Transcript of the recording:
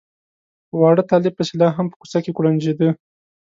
په واړه طالب پسې لا هم په کوڅه کې کوړنجېده.